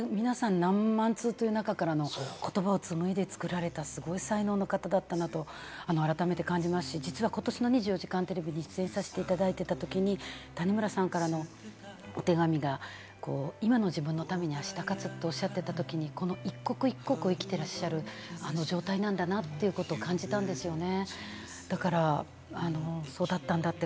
すごいですね、これって皆さん、何万通という中からの言葉を紡いで作られたすごい才能の方だったなと改めて感じますし、実はことしの『２４時間テレビ』出演させていただいたときに谷村さんからのお手紙が「今の自分のためにあした勝つ」っておっしゃってたときに一刻一刻を生きていらっしゃる状態なんだなということを感じたんですよね。